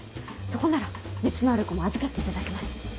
そこなら熱のある子も預かっていただけます。